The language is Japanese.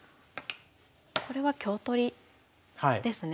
これは香取りですね。